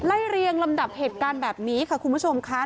เรียงลำดับเหตุการณ์แบบนี้ค่ะคุณผู้ชมค่ะ